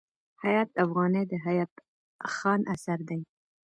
حیات افغاني د حیات خان اثر دﺉ.